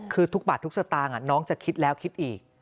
คือทุกบาททุกสตางค์น้องจะคิดแล้วคิดอีก